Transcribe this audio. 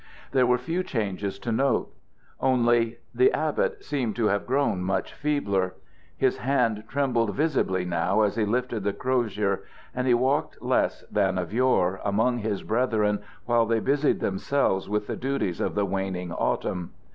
There were few changes to note. Only the abbot seemed to have grown much feebler. His hand trembled visibly now as he lifted the crosier, and he walked less than of yore among his brethren while they busied themselves with the duties of the waning autumn.